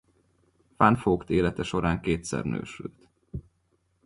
Van Vogt élete során kétszer nősült.